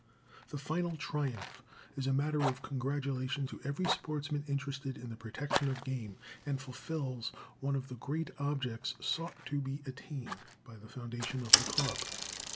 The final triumph is a matter of congratulation to every sportsman interested in the protection of game, and fulfills one of the great objects sought to be attained by the foundation of the Club.